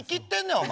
お前。